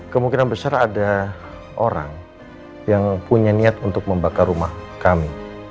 kemungkinan besar ada orang yang punya niat untuk membakar rumah kami